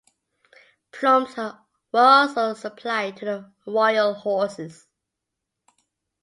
Plumes were also supplied to the royal horses.